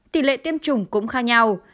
tỷ lệ tiêm chủng cũng khác nhau